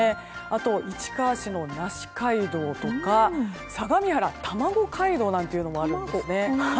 あと、市川市の梨街道とか相模原、たまご街道なんていうのもあるんですね。